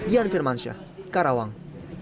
yan firmansyah karawang